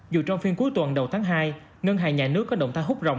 dù trong phiên cuối tuần đầu tháng hai ngân hàng nhà nước có động ta hút rồng